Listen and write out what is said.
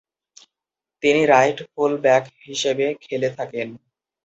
তিনি "right full back" হিসেবে খেলে থাকেন।